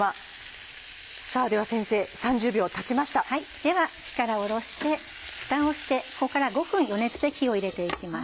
では火から下ろしてフタをしてここから５分余熱で火を入れて行きます。